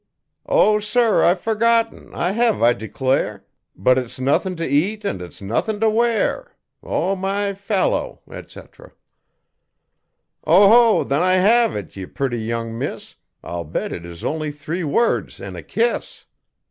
'O, sir I've forgorten, I hev, I declare, But it's nothin' to eat an' its nothin' to wear.' O, my fallow, etc. 'Oho! then I hev it, ye purty young miss! I'll bet it is only three words an' a kiss.'